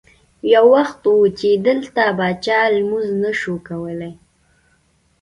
یو وخت و چې دلته به چا لمونځ نه شو کولی.